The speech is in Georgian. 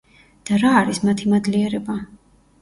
და რა არის მათი მადლიერება?